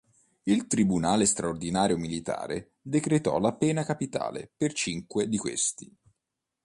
Il Tribunale straordinario militare decretò la pena capitale per cinque di questi.